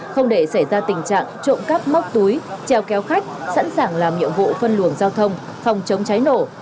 không để xảy ra tình trạng trộm cắp móc túi treo kéo khách sẵn sàng làm nhiệm vụ phân luồng giao thông phòng chống cháy nổ